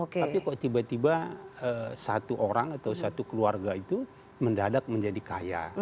tapi kok tiba tiba satu orang atau satu keluarga itu mendadak menjadi kaya